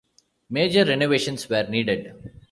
Major renovations were needed.